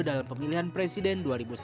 dalam pemilihan presiden dua ribu sembilan belas